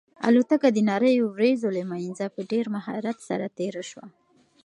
الوتکه د نريو وريځو له منځه په ډېر مهارت سره تېره شوه.